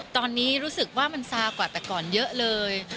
ตอนนี้รู้สึกว่ามันซากว่าแต่ก่อนเยอะเลย